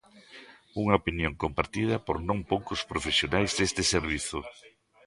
Unha opinión compartida por non poucos profesionais deste servizo.